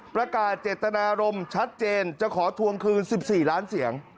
ประกาศเจตนารมณ์ชัดเจนจะขอทวงคืน๑๔ล้านเสียง